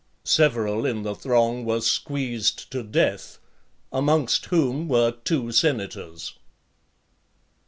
Several in the throng were squeezed to death, amongst whom were two senators.